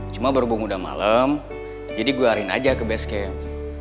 cuma berhubung udah malem jadi guarin aja ke base camp